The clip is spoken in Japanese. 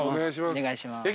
お願いします。